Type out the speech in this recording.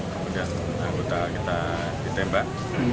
kemudian anggota kita ditembak